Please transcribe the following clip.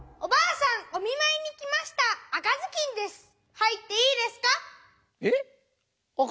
はいっていいですか？